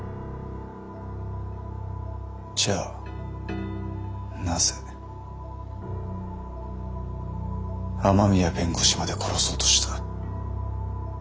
じゃあなぜ雨宮弁護士まで殺そうとした？